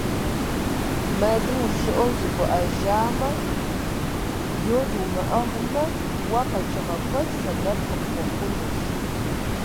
Мэзым ущыӀэу зыбуӀэжамэ, йод умыӀыгъмэ, уэ къэкӀыгъэ куэд сэбэп къыпхуэхъунущ.